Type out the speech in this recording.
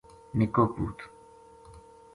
نِکو پوت